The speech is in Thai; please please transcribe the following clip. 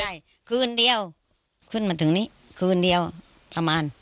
ใช่คืนเดียวขึ้นมาถึงนี้คืนเดียวประมาณ